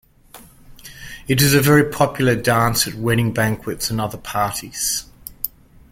It is a very popular dance at wedding banquets and other parties.